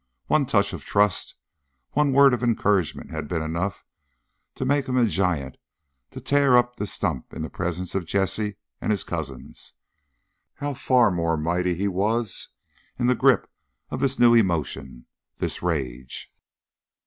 One touch of trust, one word of encouragement had been enough to make him a giant to tear up the stump in the presence of Jessie and his cousins; how far more mighty he was in the grip of this new emotion, this rage.